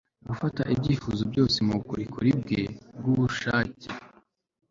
Gufata ibyifuzo byose mubukorikori bwe bwubushake